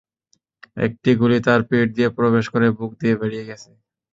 একটি গুলি তার পিঠ দিয়ে প্রবেশ করে বুক দিয়ে বেরিয়ে গেছে।